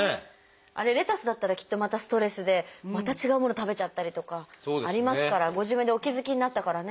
あれレタスだったらきっとまたストレスでまた違うもの食べちゃったりとかありますからご自分でお気付きになったからね。